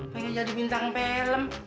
pengen jadi bintang film